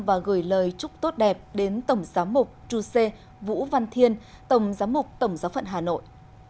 và gửi lời chúc tốt đẹp đến tổng giám mục chuse vũ văn thiên tổng giám mục tổng giáo phận hà nội